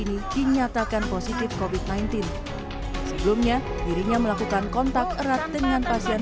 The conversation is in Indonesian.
ini dinyatakan positif kofit sembilan belas sebelumnya dirinya melakukan kontak erat dengan pasien